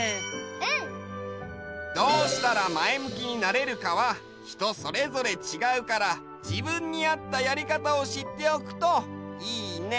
うん！どうしたらまえむきになれるかはひとそれぞれちがうからじぶんにあったやりかたをしっておくといいね！